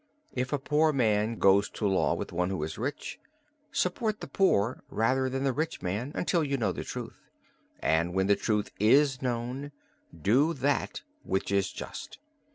If a poor man goes to law with one who is rich, support the poor rather than the rich man until you know the truth, and when the truth is known, do that which is just.